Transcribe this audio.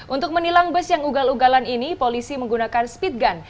untuk menilang bus yang ugal ugalan ini polisi menggunakan speed gun